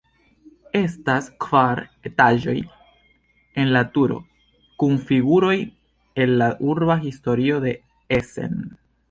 Estas kvar etaĝoj en la turo kun figuroj el la urba historio de Essen.